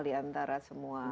di antara semua